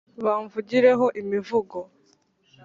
Bamvugireho imivugo